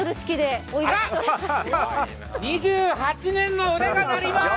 あら、２８年の腕が鳴ります。